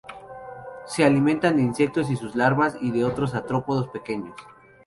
Se alimenta de insectos y sus larvas y de otros artrópodos pequeños.